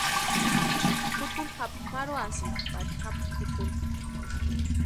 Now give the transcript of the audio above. Tupuri japu marhuasïnti pari japu pʼikuni.